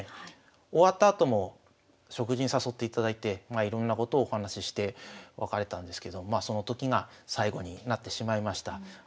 終わったあとも食事に誘っていただいていろんなことをお話しして別れたんですけどその時が最後になってしまいました。